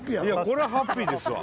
これはハッピーですわ。